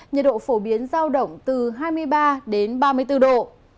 nhiệt độ phổ biến giao động từ hai mươi ba đến ba mươi bốn độ